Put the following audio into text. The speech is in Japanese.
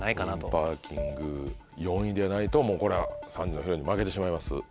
コインパーキング４位でないとこれは３時のヒロインに負けてしまいます。